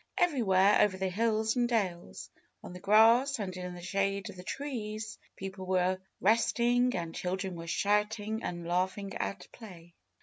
Everywhere over the hills and dales, on the grass and in the shade of the trees, people were resting and children were shouting and laughing at play.